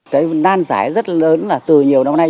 cái nan giải rất lớn là từ nhiều năm nay